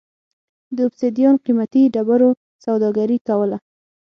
د اوبسیدیان قېمتي ډبرو سوداګري کوله.